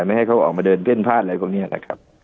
ไม่ให้เขาออกมาเดินเพ่นภาดอะไรความแน่นักของ